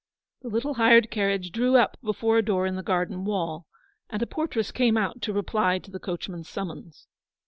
The little hired carriage drew up before a door in the garden wall, and a portress came out to reply to the coachman's summons.